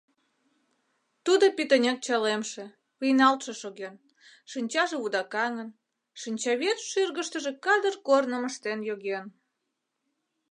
Тудо пӱтынек чалемше, вийналтше шоген, шинчаже вудакаҥын, шинчавӱд шӱргыштыжӧ кадыр корным ыштен йоген.